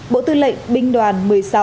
bộ tư lệnh binh đoàn một mươi sáu